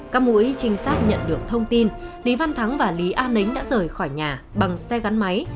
các mũi trinh sát nhận được thông tin lý văn thắng và lý an nính đã rời khỏi nhà bằng xe gắn máy